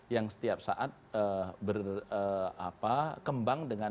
yang setiap saat berkembang dengan